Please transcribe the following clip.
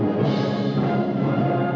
lagu kebangsaan indonesia raya